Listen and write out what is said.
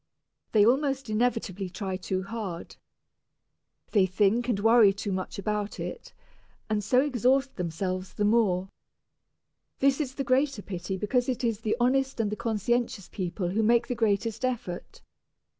They almost inevitably try too hard. They think and worry too much about it, and so exhaust themselves the more. This is the greater pity because it is the honest and the conscientious people who make the greatest effort.